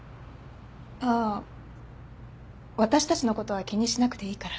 ああ私たちのことは気にしなくていいから。